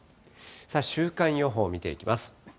週間予報見ていきます。